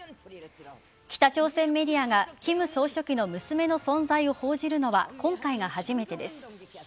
北朝鮮メディアが金総書記の娘の存在を報じるのは今回が初めてです。